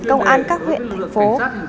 công an các huyện thành phố